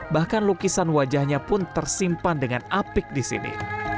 bahkan lukisan wajahnya pun tersimpan dengan apik di sini